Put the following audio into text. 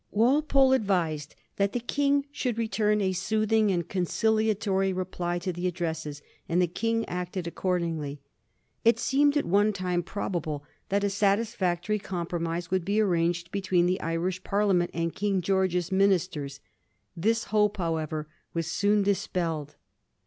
Walpole advised that the King should return a soothing and a conciliatory reply to the addresses, and the King acted accordingly. It seemed at one time probable that a satisfactory com promise would be arranged between the Irish Parlia ment and King George's ministers. This hope, however, was soon dispelled.